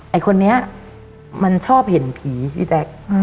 ไอ้คนนี้มันชอบเห็นผีพี่แจ๊ค